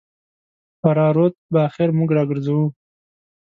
فراه رود به اخر موږ راګرځوو.